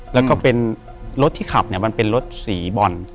แล้วก็เป็นรถที่ขับมันเป็นรถสีบ่อน